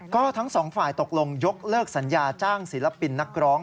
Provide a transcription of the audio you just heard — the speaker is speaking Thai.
ก็ทั้งสองฝ่ายตกลงยกเลิกสัญญาจ้างศิลปินนักร้อง